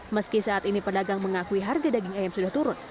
meski saat ini pedagang mengakui harga daging ayam sudah turun